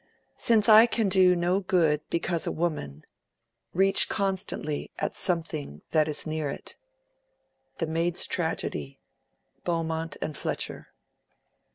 Since I can do no good because a woman, Reach constantly at something that is near it. —The Maid's Tragedy: BEAUMONT AND FLETCHER.